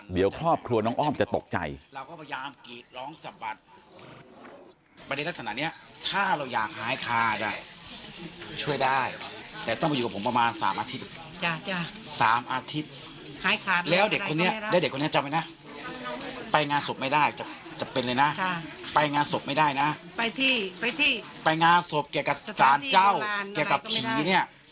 เดี๋ยวครอบครัวน้องอ้อมจะตกใจ